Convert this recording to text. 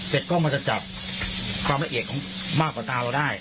กล้องมันจะจับความละเอียดของมากกว่าตาเราได้